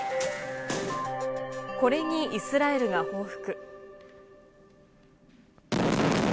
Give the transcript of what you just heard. これにイスラエルが報復。